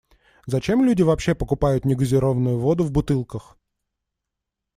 Зачем люди вообще покупают негазированную воду в бутылках?